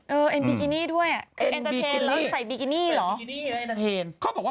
เออเอ็นบิกินี่ด้วย